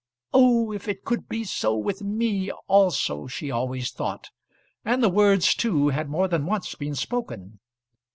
"Oh, if it could be so with me also!" she always thought; and the words too had more than once been spoken.